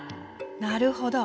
なるほど。